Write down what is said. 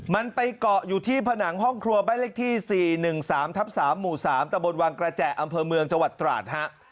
มันไปเกาะอยู่ที่ผนังห้องครัวบ้านเลขที่๔๑๓ทับ๓หมู่๓ตะบนวังกระแจอำเภอเมืองจังหวัดตราดฮะ